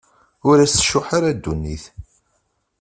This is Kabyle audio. Ur as-tcuḥḥ ara ddunit.